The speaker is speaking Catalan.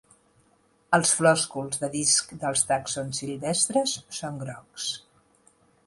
Els flòsculs de disc dels tàxons silvestres són grocs.